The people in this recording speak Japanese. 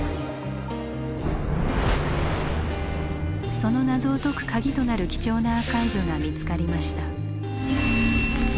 その謎を解く鍵となる貴重なアーカイブが見つかりました。